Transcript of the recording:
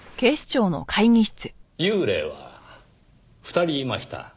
幽霊は２人いました。